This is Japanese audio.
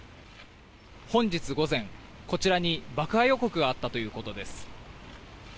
本日午前、こちらに爆破予告があったということです。